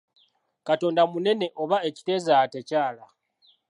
Katonda munene; oba ekiteezaala tekyala!